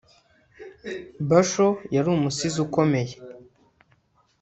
Basho yari umusizi ukomeye